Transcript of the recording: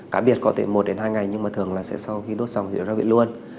cá biệt có thể một đến hai ngày nhưng mà thường là sẽ sau khi đốt xong thì đốt ra viện luôn